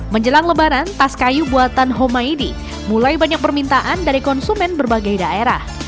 menjelang lebaran tas kayu buatan homaidi mulai banyak permintaan dari konsumen berbagai daerah